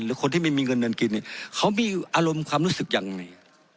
หรือคนที่ไม่มีเงินเดือนกินเขามีอารมณ์ความรู้สึกอย่างไร